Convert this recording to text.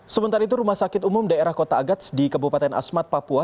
sementara itu rumah sakit umum daerah kota agats di kebupaten asmat papua